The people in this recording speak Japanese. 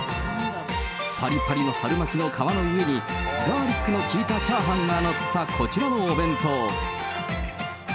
ぱりぱりの春巻きの皮の上に、ガーリックの効いたチャーハンが載ったこちらのお弁当。